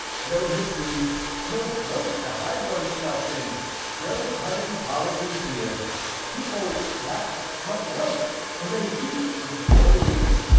"No mysteries, no cloak to hide one's self in, no cunning policy here; people laugh outright, they weep for joy here.